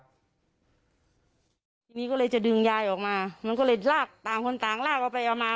ทีนี้ก็เลยจะดึงยายออกมามันก็เลยลากต่างคนต่างลากออกไปเอามา